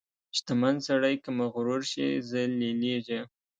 • شتمن سړی که مغرور شي، ذلیلېږي.